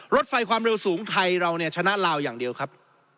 รถไฟความเร็วสูงไทยเราเนี่ยชนะลาวอย่างเดียวครับ